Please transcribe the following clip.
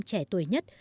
trẻ tuổi nhất